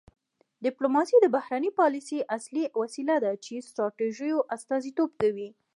ډیپلوماسي د بهرنۍ پالیسۍ اصلي وسیله ده چې ستراتیژیو استازیتوب کوي